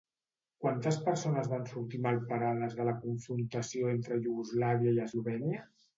Quantes persones van sortir malparades de la confrontació entre Iugoslàvia i Eslovènia?